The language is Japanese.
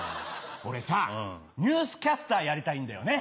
俺さニュースキャスターやりたいんだよね。